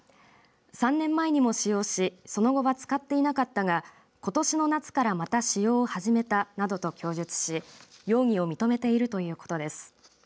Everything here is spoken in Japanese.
３年前にも使用しその後は使っていなかったがことしの夏からまた使用を始めたなどと供述し容疑を認めているということです。